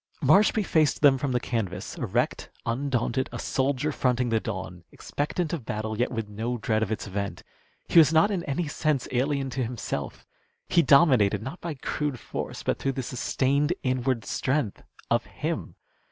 Marshby faced them from the canvas, erect, undaunted, a soldier fronting the dawn, expectant of battle, yet with no dread of its event. He was not in any sense alien to himself. He dominated, not by crude force, but through the sustained inward strength of him.